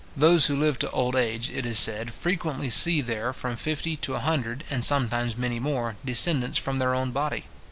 Those who live to old age, it is said, frequently see there from fifty to a hundred, and sometimes many more, descendants from their own body.